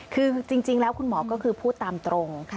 คือจริงแล้วคุณหมอก็คือพูดตามตรง